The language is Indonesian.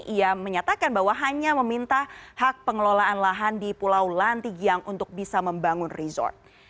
ia menyatakan bahwa hanya meminta hak pengelolaan lahan di pulau lantigiang untuk bisa membangun resort